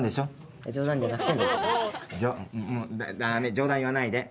冗談言わないで。